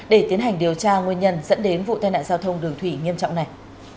để tiến hành điều tra nguyên nhân dẫn đến vụ tai nạn giao thông đường thủy nghiêm trọng này